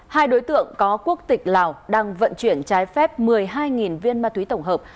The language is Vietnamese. hai đối tượng có quốc tịch lào đang vận chuyển trái phép một mươi hai viên ma túy tổng hợp